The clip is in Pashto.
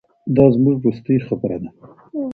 دا زموږ وروستۍ خبره ده.